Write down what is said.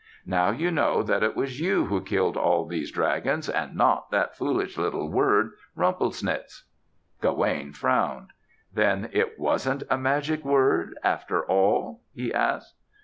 Now you know that it was you who killed all these dragons and not that foolish little word 'Rumplesnitz.'" Gawaine frowned. "Then it wasn't a magic word after all?" he asked.